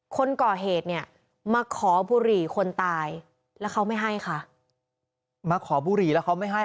คนก่อเหตุเนี่ยมาขอบุหรี่คนตายแล้วเขาไม่ให้ค่ะมาขอบุหรี่แล้วเขาไม่ให้